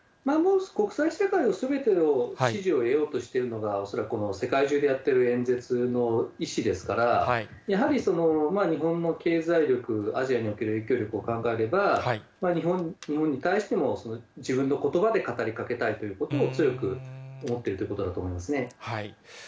国際社会すべての支持を得ようとしているのが、恐らくこの全世界中やっている演説の意志ですから、やはり日本の経済力、アジアにおける影響力を考えると、日本に対しても自分のことばで語りかけたいということを、強く思っているということだと思います